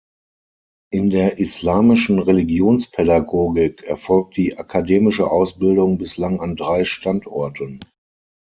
In der Islamischen Religionspädagogik erfolgt die akademische Ausbildung bislang an drei Standorten.